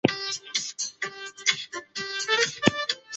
李富春随三军团殿后。